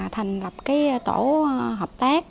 thành lập tổ hợp tác